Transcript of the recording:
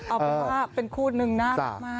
เอาเป็นภาพเป็นคู่หนึ่งนะมาก